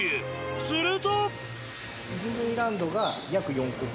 ［すると］